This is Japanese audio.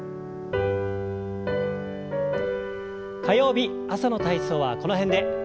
火曜日朝の体操はこの辺で。